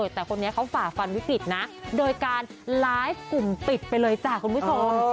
แต่คนนี้เขาฝ่าฟันวิกฤตนะโดยการไลฟ์กลุ่มปิดไปเลยจ้ะคุณผู้ชม